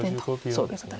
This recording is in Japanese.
そうですね。